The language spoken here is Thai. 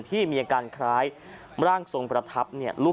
ที่มีอาการคล้ายร่างสงประทับ